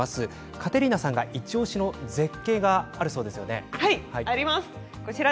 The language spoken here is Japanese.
カテリーナさんがイチおしの絶景があるそうですね。